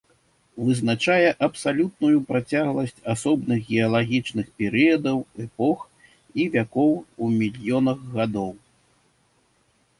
Вызначае абсалютную працягласць асобных геалагічных перыядаў, эпох і вякоў у мільёнах гадоў.